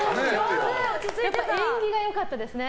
やっぱ縁起が良かったですね。